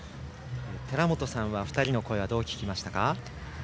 寺本さんは２人の声どう聞きましたか。